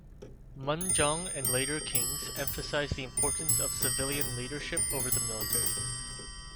Munjong, and later Kings, emphasized the importance of civilian leadership over the military.